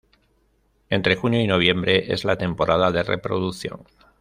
Entre junio y noviembre es la temporada de reproducción.